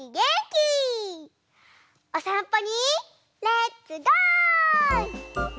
おさんぽにレッツゴー！